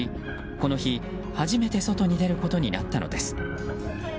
この日、初めて外に出ることになったのです。